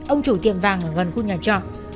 ông chủ tiệm vàng ở gần khu nhà trọ